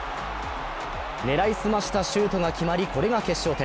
狙い澄ましたシュートが決まりこれが決勝点。